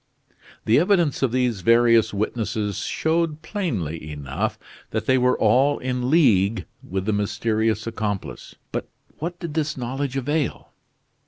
The evidence of these various witnesses showed plainly enough that they were all in league with the mysterious accomplice; but what did this knowledge avail?